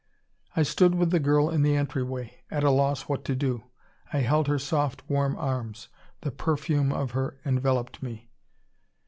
I stood with the girl in the entryway, at a loss what to do. I held her soft warm arms; the perfume of her enveloped me.